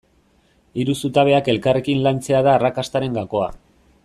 Hiru zutabeak elkarrekin lantzea da arrakastaren gakoa.